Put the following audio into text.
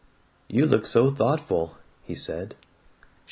"You look so thoughtful," he said.